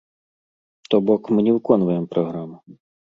То бок мы не выконваем праграму.